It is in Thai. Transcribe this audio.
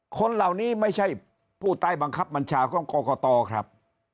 คนเหล่านี้ไม่ใช่ผู้ใต้บังคับบัญชาของกรกตครับ